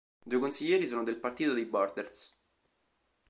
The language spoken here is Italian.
Due consiglieri sono del Partito dei Borders.